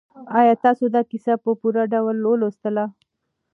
آیا تاسو دا کیسه په پوره ډول ولوستله؟